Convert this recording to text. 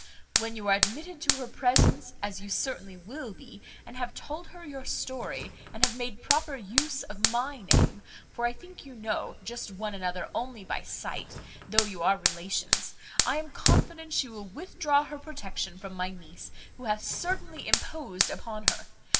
When you are admitted to her presence, as you certainly will be, and have told her your story, and have made proper use of my name (for I think you just know one another only by sight, though you are relations), I am confident she will withdraw her protection from my niece, who hath certainly imposed upon her.